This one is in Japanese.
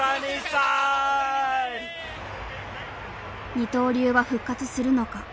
二刀流は復活するのか。